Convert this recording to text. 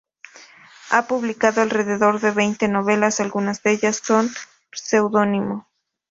Ha publicado alrededor de veinte novelas, algunas de ellas con pseudónimo.